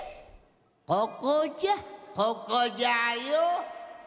ここじゃここじゃよ。